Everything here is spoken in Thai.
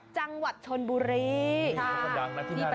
จังหวัดชนบุรี